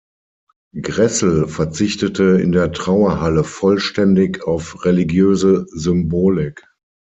Grässel verzichtete in der Trauerhalle vollständig auf religiöse Symbolik.